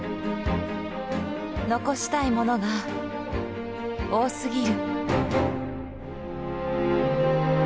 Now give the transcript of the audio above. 残したいものが多すぎる。